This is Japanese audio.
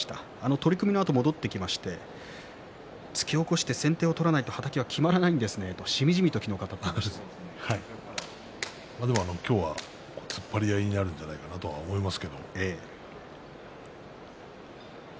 取組のあと突き起こして先手を取らないと、はたきはきまらないんですねと今日は突っ張り合いになるんじゃないかと思います。